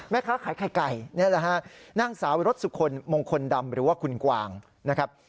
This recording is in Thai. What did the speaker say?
แม่ค้าขายไข่ไก่นี่แหละฮะนางสาวรสสุคลมงคลดำหรือว่าคุณกวางนะครับ